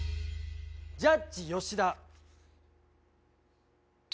ジャッジ吉田。